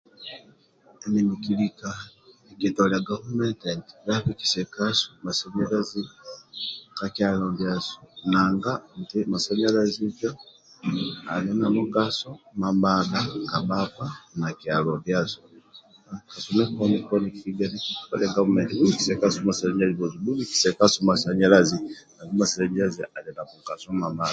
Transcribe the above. Emi nkilika nkitolia gavumenti nti bhabikise kasubbhasanyalazi ka kualo ndiasu nti nanga masanyalazi injo ali na mugaso mamadha ka bhakpa na kyalo ndiasu tolo poni poni nkitolia gavumenti nti bhubikise kasu masanyalazi bhubikise kasu masanyalazi bhubikise kasu masanyalazi